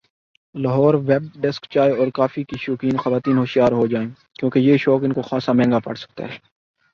Lahore web desk چائے اور coffee کی شوقین خواتین ہوشیار ہوجائیں کیونکہ یہ شوق ان کو خاص مہنگا پڑ سکتا ہے